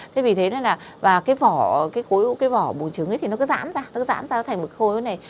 thế vì thế nên là cái vỏ bụng trứng ấy thì nó cứ giảm ra nó cứ giảm ra thành một khối u này